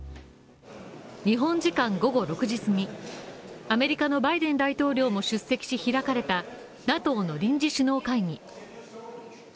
日本時間午後６時すぎ、アメリカのバイデン大統領も出席し開かれたＮＡＴＯの臨時首脳会議。